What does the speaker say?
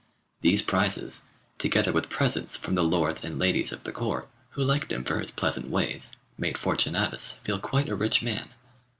These prizes, together with presents from the lords and ladies of the court, who liked him for his pleasant ways, made Fortunatus feel quite a rich man.